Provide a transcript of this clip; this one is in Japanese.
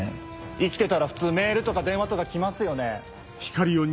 生きてたら普通メールとか電話とか来ますよね？